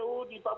terima kasih pak